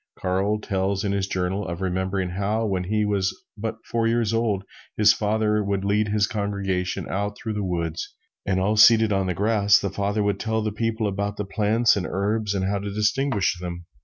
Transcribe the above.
Carl tells in his journal, of remembering how, when he was but four years old, his father would lead his congregation out through the woods and, all seated on the grass, the father would tell the people about the plants and herbs and how to distinguish them.